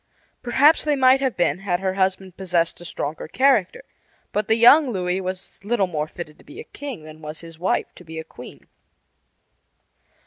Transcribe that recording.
Perhaps they might have been had her husband possessed a stronger character; but the young Louis was little more fitted to be a king than was his wife to be a queen.